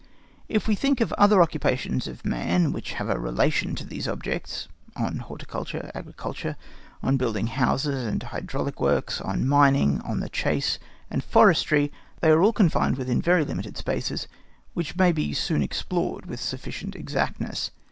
If we think of other occupations of man which have a relation to these objects, on horticulture, agriculture, on building houses and hydraulic works, on mining, on the chase, and forestry, they are all confined within very limited spaces which may be soon explored with sufficient exactness.